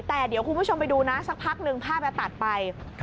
แต่เดี๋ยวคุณผู้ชมไปดูนะสักพักหนึ่งภาพจะตัดไป